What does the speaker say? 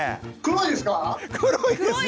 黒いですよ。